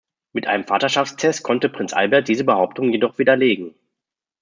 Mit einem Vaterschaftstest konnte Prinz Albert diese Behauptung jedoch widerlegen.